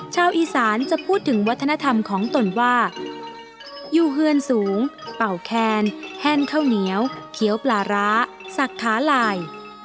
ชาวอีสานจะพูดถึงวัฒนธรรมของตนว่ายูเฮือนสูงเป่าแคนแห้งข้าวเหนียวเขียวปลาร้าสักขาลาย